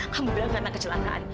kamu bilang karena kecelakaan